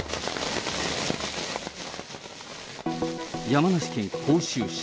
山梨県甲州市。